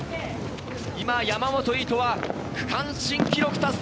今、山本唯翔は区間新記録達成！